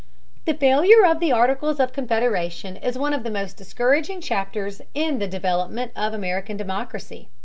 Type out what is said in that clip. The failure of the Articles of Confederation is one of the most discouraging chapters in the development of American democracy.